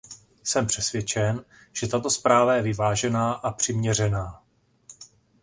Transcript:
Jsem přesvědčen, že tato zpráva je vyvážená a přiměřená.